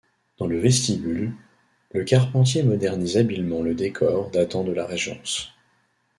Dans le vestibule, Le Carpentier modernise habilement le décor datant de la Régence.